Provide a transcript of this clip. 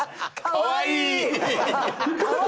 かわいい！